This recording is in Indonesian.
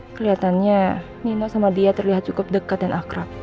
keliatannya nino sama dia terlihat cukup deket dan akrab